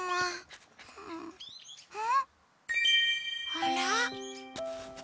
あら。